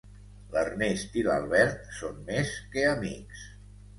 L'Ernest i l'Albert són més que amics.